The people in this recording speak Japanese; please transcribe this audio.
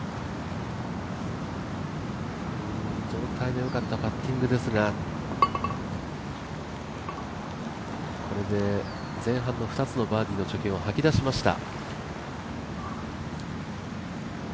状態の良かったパッティングですがこれで前半の２つのバーディーの貯金を吐き出しました。